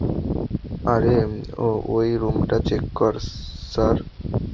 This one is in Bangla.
আরে, ওই রুমটা চেক কর - স্যার?